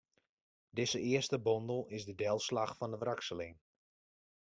Dizze earste bondel is de delslach fan de wrakseling.